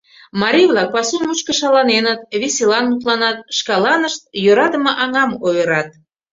Марий-влак пасу мучко шаланеныт, веселан мутланат, шкаланышт йӧратыме аҥам ойырат.